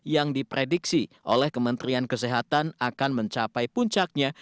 yang diprediksi oleh kementerian kesehatan akan mencapai puncaknya